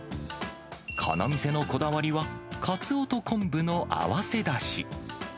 この店のこだわりは、かつおと昆布の合わせだし。